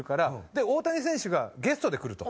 で大谷選手がゲストで来ると。